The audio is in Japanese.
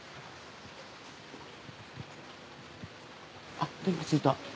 あっ電気ついた。